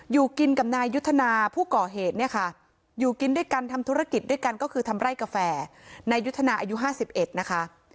อยู่กินกับนายยุทธนาผู้ก่อเหตุเนี่ยค่ะอยู่กินด้วยกันทำธุรกิจด้วยกันก็คือทำไร่กาแฟนายุทธนาอายุ๕๑นะคะ